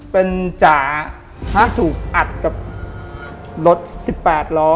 เป็นจ๋าที่ถูกอัดกับรถสิบแปดล้อ